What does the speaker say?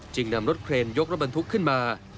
นำรถเครนยกรถบรรทุกขึ้นมา